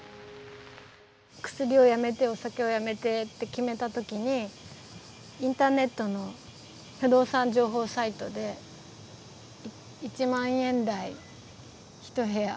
薬をやめてお酒をやめてって決めた時にインターネットの不動産情報サイトで１万円台１部屋